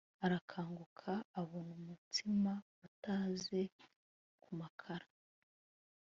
Arakanguka abona umutsima utaze ku makara